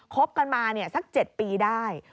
คบกันมาสัก๗ปีได้